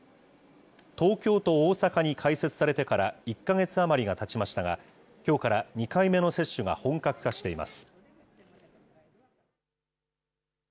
東京と大阪に開設されてから１か月余りがたちましたが、きょうから２回目の接種が本格化しています。